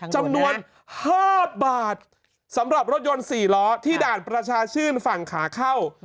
จำนวน๕บาทสำหรับรถยนต์๔ล้อที่ด่านประชาชื่นฝั่งขาเข้า